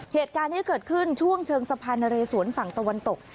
เหตุการณ์นี้เกิดขึ้นช่วงเชิงสะพานนะเรสวนฝั่งตะวันตก